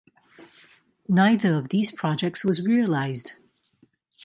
Neither of these projects was realized.